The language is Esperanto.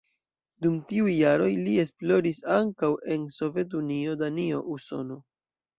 Dum tiuj jaroj li esploris ankaŭ en Sovetunio, Danio, Usono.